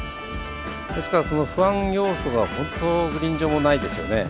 ですから、不安要素が本当にグリーン上もないですよね。